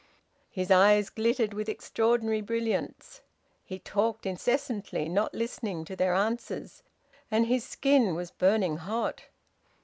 His eyes glittered with extraordinary brilliance. He talked incessantly, not listening to their answers. And his skin was burning hot.